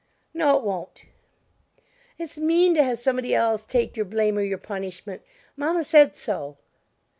"No it won't." "It's mean to have somebody else take your blame or your punishment; mamma said so."